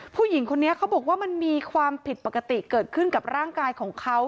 ผู้หญิงคนนี้เขาบอกว่ามันมีความผิดปกติเกิดขึ้นกับร่างกายของเขา